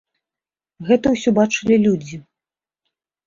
Гэта ўсё бачылі людзі.